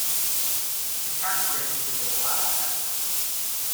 Sucan gwyn yw enw arall arno.